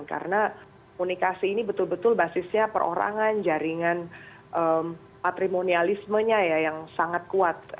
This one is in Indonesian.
karena komunikasi ini betul betul basisnya perorangan jaringan patrimonialismenya ya yang sangat kuat